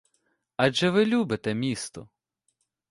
Адже ви любите місто?